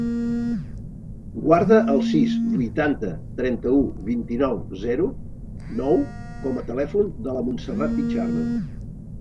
Guarda el sis, vuitanta, trenta-u, vint-i-nou, zero, nou com a telèfon de la Montserrat Pichardo.